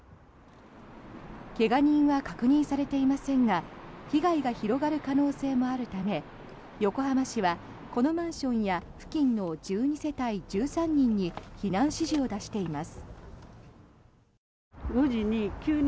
怪我人は確認されていませんが被害が広がる可能性もあるため横浜市は、このマンションや付近の１２世帯１３人に避難指示を出しています。